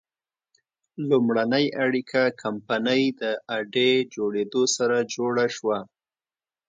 لومړنۍ اړیکه کمپنۍ د اډې جوړېدو سره جوړه شوه.